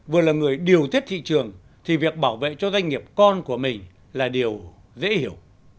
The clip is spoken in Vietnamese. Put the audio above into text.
vừa là người điều tiết thị trường thì việc bảo vệ cho doanh nghiệp con của mình là điều dễ hiểu